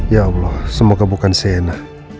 ya allah semoga bukan seenak